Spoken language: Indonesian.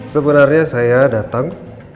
sebenarnya saya datang